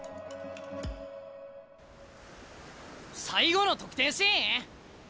最後の得点シーン？